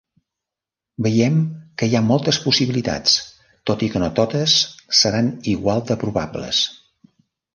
Veiem que hi ha moltes possibilitats tot i que no totes seran igual de probables.